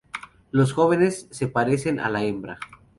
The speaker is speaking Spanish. Los jóvenes se parecen a la hembra.